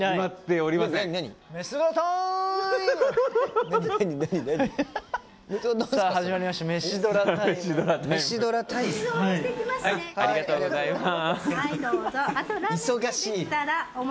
ありがとうございます。